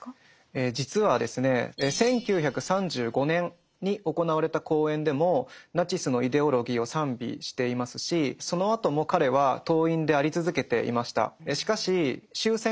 実はですね１９３５年に行われた講演でもナチスのイデオロギーを賛美していますしそのあとも彼は党員であり続けていました。